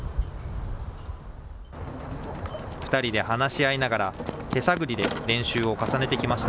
２人で話し合いながら、手探りで練習を重ねてきました。